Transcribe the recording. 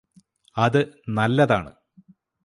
അത് നല്ലതാണ്